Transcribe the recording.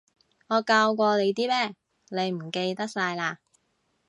我教過你啲咩，你唔記得晒嘞？